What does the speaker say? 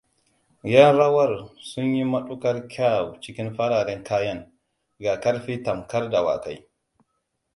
Ƴan rawar sun yi matuƙar kyau cikin fararen kayan, ga ƙarfi tamkar dawakai.